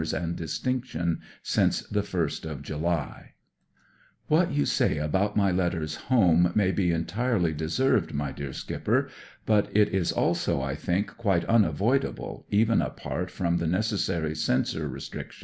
^ and distincLion since the 1st of July :" What you sa about my letters home may be entirely deserved, my dear Skipper but it is also, I think quite unavoidable, even apart from the nc( s sary censor restricdc